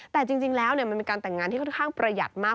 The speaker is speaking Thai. แต่จริงแล้วมันเป็นการแต่งงานที่ค่อนข้างประหยัดมาก